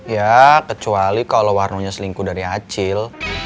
ya kecuali kalau warno selingkuh dari acil